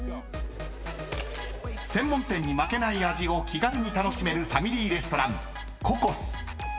［専門店に負けない味を気軽に楽しめるファミリーレストラン］